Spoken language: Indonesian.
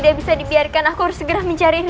dan ini dia yang banyak berhasil menghasil